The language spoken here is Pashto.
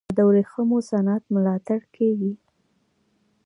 آیا د ورېښمو صنعت ملاتړ کیږي؟